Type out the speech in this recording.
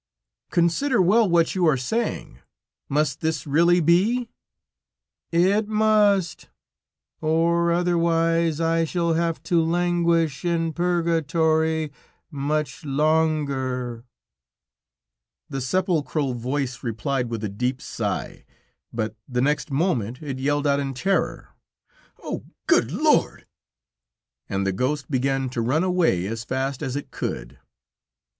"Consider well what you are saying. Must this really be?" "It must, or otherwise I shall have to languish in purgatory much longer," the sepulchral voice replied with a deep sigh; but the next moment it yelled out in terror: "Oh! Good Lord!" and the ghost began to run away as fast as it could.